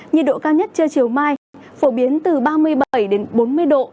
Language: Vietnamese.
nhiệt độ cao nhất trưa chiều mai phổ biến từ ba mươi bảy đến bốn mươi độ